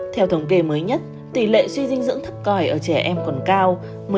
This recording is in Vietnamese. theo thống kê mới nhất tỷ lệ suy dinh dưỡng thấp còi ở trẻ em còn cao